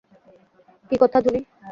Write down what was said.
কি কথা জুনি?